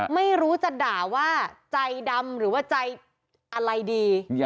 ไม่รู้จะด่าว่าใจดำหรือว่าใจอะไรดี